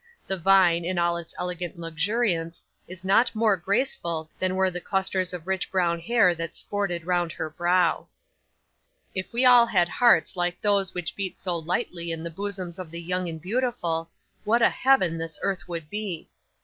The vine, in all its elegant luxuriance, is not more graceful than were the clusters of rich brown hair that sported round her brow. 'If we all had hearts like those which beat so lightly in the bosoms of the young and beautiful, what a heaven this earth would be!